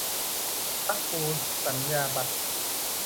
พระครูสัญญาบัตร